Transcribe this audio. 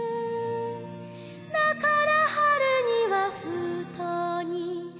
「だから春には封筒に」